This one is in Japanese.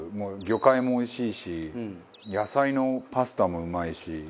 魚介もおいしいし野菜のパスタもうまいし。